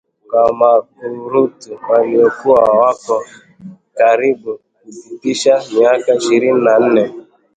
kwa makurutu waliokuwa wako karibu kupitisha miaka ishirii na nane